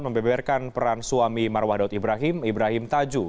membeberkan peran suami marwah daud ibrahim ibrahim tajuh